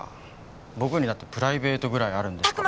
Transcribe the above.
僕にだってプライベートぐらいあるんですから。